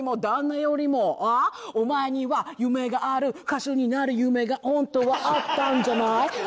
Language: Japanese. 「お前には夢がある」「歌手になる夢がホントはあったんじゃない？」